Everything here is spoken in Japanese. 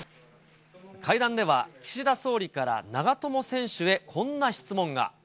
会談では、岸田総理から長友選手へこんな質問が。